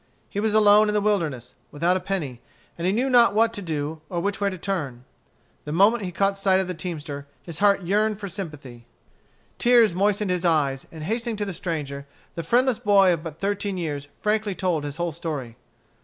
He was alone in the wilderness, without a penny; and he knew not what to do, or which way to turn. The moment he caught sight of the teamster his heart yearned for sympathy. Tears moistened his eyes, and hastening to the stranger, the friendless boy of but thirteen years frankly told his whole story.